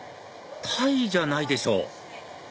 タイじゃないでしょ